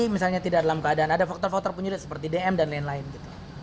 misalnya tidak dalam keadaan ada faktor faktor penyulit seperti dm dan lain lain gitu